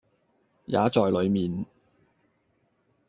也在裏面，